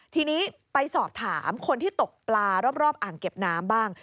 ทีนี้ไปสอบถามคนที่ตกปลารอบอ่างเก็บน้ำบ้าง